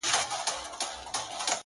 دا خو گراني ستا د حُسن اور دی لمبې کوي~